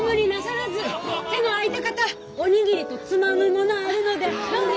手の空いた方お握りとつまむものあるので。